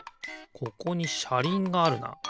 ここにしゃりんがあるな。